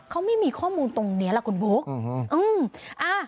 เขาไม่มีข้อมูลตรงเนี้ยล่ะคุณโบ๊คอืมอืมอ่า